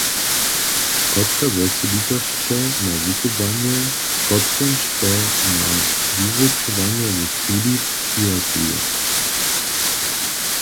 Kotre wosebitosće ma wukubłanje, z kotrymž so na wuwučowanje w šuli přihotuje?